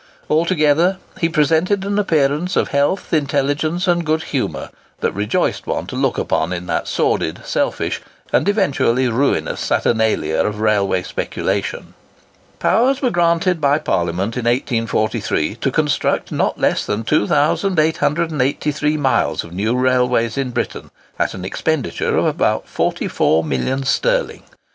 Altogether, he presented an appearance of health, intelligence, and good humour, that rejoiced one to look upon in that sordid, selfish and eventually ruinous saturnalia of railway speculation. Powers were granted by Parliament, in 1843, to construct not less than 2883 miles of new railways in Britain, at an expenditure of about forty four millions sterling!